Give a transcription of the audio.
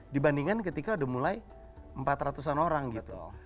dibandingkan ketika udah mulai empat ratus an orang gitu